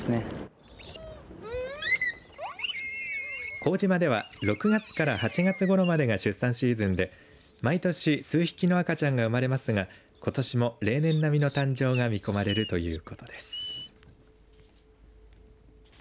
幸島では６月から８月ごろまでが出産シーズンで毎年数匹の赤ちゃんが生まれますがことしも例年並みの誕生が見込まれるということです。